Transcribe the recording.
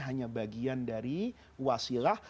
hanya bagian dari wasilah